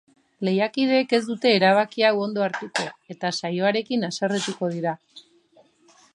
Lehiakideek ez dute erabki hau ondo hartuko eta saioarekin haserretuko dira.